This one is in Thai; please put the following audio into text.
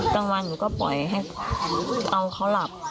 กลางวันหนูก็ปล่อยให้เอาเขาหลับ